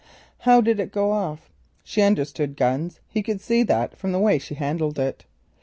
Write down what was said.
How did it go off? She understood guns; he could see that from the way she handled it.